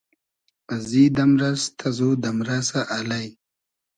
ازی دئمرئس تئزو دئمرئسۂ الݷ